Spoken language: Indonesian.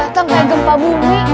ih datang kayak gempa bumi